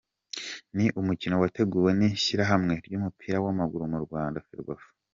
Ni umukino wateguwe n’Ishyirahamwe ry’umupira w’Amaguru mu Rwanda, Ferwafa.